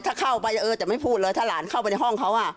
ถ้าเข้าไปเออจะไม่พูดเลยถ้าหลานเข้าไปในห้องเขา